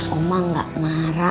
mama enggak marah